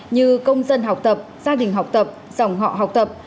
như công dân học tập gia đình học tập dòng họ học tập